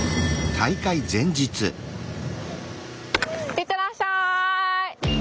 いってらっしゃい。